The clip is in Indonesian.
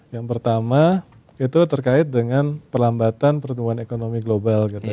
yang pertama itu terkait dengan perlambatan pertumbuhan ekonomi global gitu